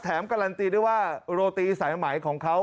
แถมการันตีด้วยว่าโรตีไสมัยของเขา